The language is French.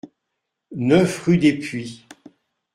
neuf rue des Puits-